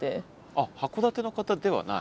あっ函館の方ではない？